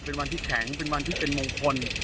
เป็นวันที่แข็งเป็นวันที่เป็นมงคล